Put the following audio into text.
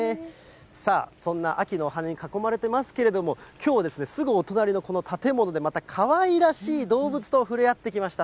さあ、そんな秋のお花に囲まれてますけども、きょう、すぐお隣のこの建物で、またかわいらしい動物と触れ合ってきました。